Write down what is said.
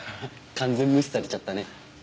完全無視されちゃったね。